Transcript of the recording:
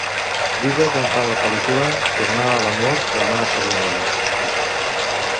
Digues on fan la pel·lícula "Tornar a l'amor" demà a Cerdanyola.